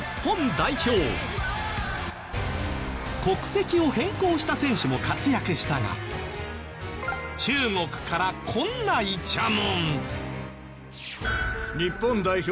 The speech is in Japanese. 国籍を変更した選手も活躍したが中国からこんなイチャモン。